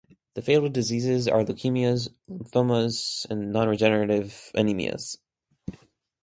The fatal diseases are leukemias, lymphomas, and non-regenerative anemias.